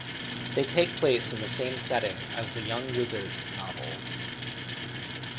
They take place in the same setting as the Young Wizards novels.